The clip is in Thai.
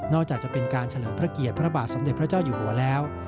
จะเป็นการเฉลิมพระเกียรติพระบาทสมเด็จพระเจ้าอยู่หัวแล้ว